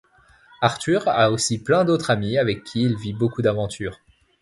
Arthur a aussi plein d'autres amis avec qui il vit beaucoup d'aventures.